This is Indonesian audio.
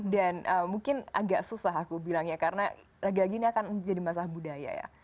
dan mungkin agak susah aku bilangnya karena lagi lagi ini akan menjadi masalah budaya ya